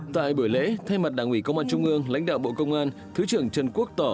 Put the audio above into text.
tại buổi lễ thay mặt đảng ủy công an trung ương lãnh đạo bộ công an thứ trưởng trần quốc tỏ